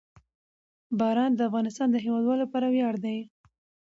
باران د افغانستان د هیوادوالو لپاره یو ویاړ دی.